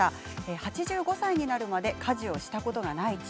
８５歳になるまで家事をしたことがない父。